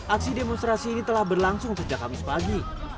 aksi demonstrasi ini telah berlangsung sejak kamis pagi